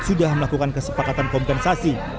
sudah melakukan kesepakatan kompensasi